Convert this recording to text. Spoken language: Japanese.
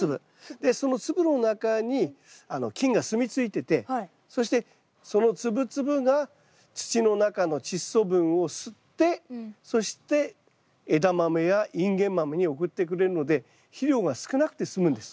でその粒の中に菌がすみ着いててそしてその粒々が土の中のチッ素分を吸ってそしてエダマメやインゲンマメに送ってくれるので肥料が少なくてすむんです。